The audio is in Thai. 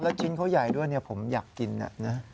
ชิ้นเขาใหญ่ด้วยผมอยากกินนะ